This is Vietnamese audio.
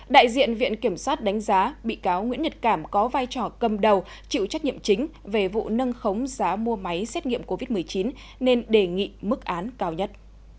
đại diện viện kiểm sát đánh giá bị cáo nguyễn nhật cảm có vai trò cầm đầu chịu trách nhiệm chính về vụ nâng khống giá mua máy xét nghiệm covid một mươi chín nên đề nghị mức án cao nhất